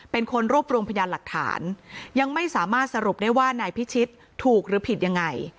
เป็นคนรวบรวมพยานหลักฐานยังไม่สามารถสรุปได้ว่านายพิชิตถูกหรือผิดยังไง